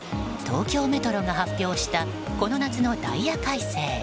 東京メトロが発表したこの夏のダイヤ改正。